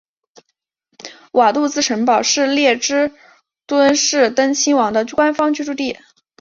瓦杜茨城堡是列支敦士登亲王的官方居住地。